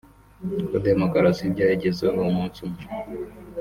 ko demokarasi byayigezeho umunsi umwe